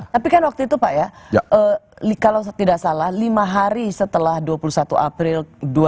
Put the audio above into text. tapi kan waktu itu pak ya kalau tidak salah lima hari setelah dua puluh satu april dua ribu dua puluh